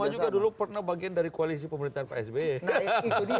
ya mereka semua juga dulu pernah bagian dari koalisi pemerintahan pak sby